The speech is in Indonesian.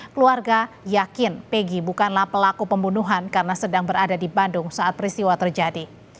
keluarga yakin pegi bukanlah pelaku pembunuhan karena sedang berada di bandung saat peristiwa terjadi